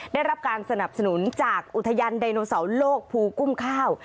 ได้รับการสนับสนุนจากอุทยานไดโนเสาร์โลกภูกุ้มข้าว